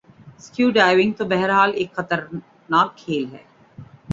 اسک diving تو بہر حال ایک خطر کھیل ہے